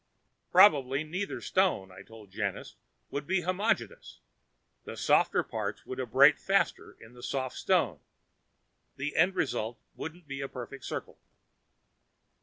"Probably neither stone," I told Janus, "would be homogenous. The softer parts would abrade faster in the soft stone. The end result wouldn't be a perfect circle."